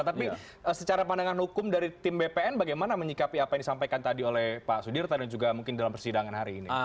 tapi secara pandangan hukum dari tim bpn bagaimana menyikapi apa yang disampaikan tadi oleh pak sudirta dan juga mungkin dalam persidangan hari ini